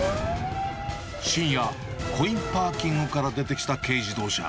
深夜、コインパーキングから出てきた軽自動車。